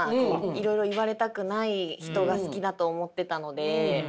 いろいろ言われたくない人が好きだと思ってたので。